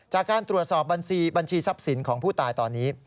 จากการตรวจสอบบัญชีทรัพย์สินของผู้ตายตอนนี้